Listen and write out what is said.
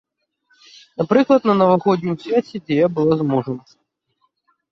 Напрыклад, на навагоднім свяце, дзе я была з мужам.